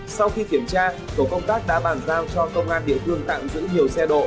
sau khi kiểm tra tổ công tác đã bàn giao cho công an địa phương tạm giữ nhiều xe độ